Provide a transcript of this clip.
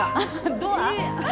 ドア？